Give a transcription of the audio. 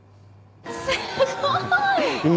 すごい。